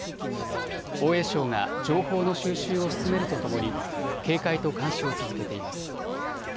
防衛省が情報の収集を進める進めるとともに警戒と監視を続けています。